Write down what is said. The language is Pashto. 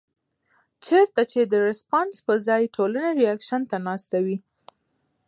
چرته چې د رسپانس پۀ ځائے ټولنه رېکشن ته ناسته وي